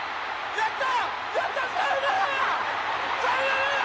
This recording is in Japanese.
やった！